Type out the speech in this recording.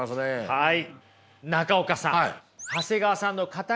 はい。